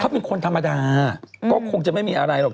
เขาเป็นคนธรรมดาก็คงจะไม่มีอะไรหรอก